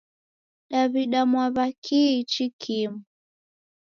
Daw'ida mwaw'a kihi ichi kimu?